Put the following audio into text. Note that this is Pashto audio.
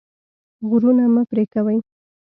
غرونه مه پرې کوئ.